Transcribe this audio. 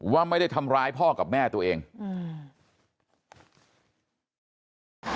ว่าไม่ได้ทำร้ายพ่อกับแม่ตัวเองอืม